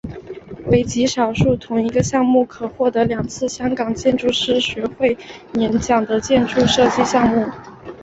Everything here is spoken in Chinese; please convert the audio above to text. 为极少数同一个项目可以获两次香港建筑师学会年奖的建筑设计项目。